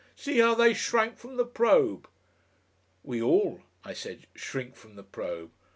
See how they shrank from the probe!" "We all," I said, "shrink from the probe."